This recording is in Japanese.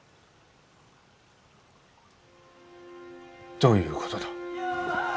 どういうことだ？